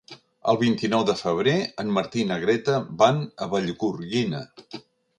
El vint-i-nou de febrer en Martí i na Greta van a Vallgorguina.